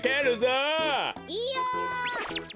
いいよ！